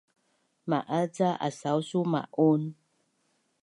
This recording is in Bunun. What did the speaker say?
ma’az ca asausu ma’un?